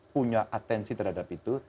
punya atensi terhadap itu